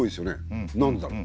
何でだろう？